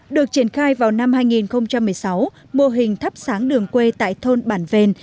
được triển khai vào năm hai nghìn một mươi sáu mô hình thắp sáng đường quê tại thôn bản vèn